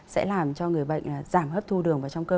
sẽ làm cho người bệnh giảm hấp thu đường vào trong cơ